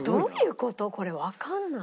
これわかんない。